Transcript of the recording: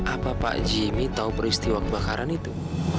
apa pak jimmy tahu peristiwa kebakaran itu